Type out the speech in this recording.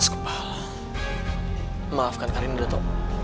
mas kepal maafkan karina dato